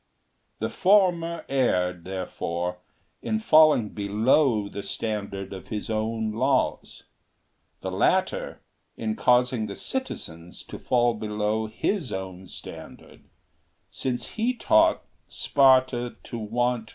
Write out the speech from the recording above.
The former erred, therefore, in falling below the standard of his own laws ; the latter, in causing the citizens to fall below his own standard, since he taught Sparta to want 45!